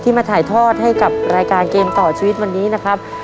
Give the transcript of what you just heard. มาถ่ายทอดให้กับรายการเกมต่อชีวิตวันนี้นะครับ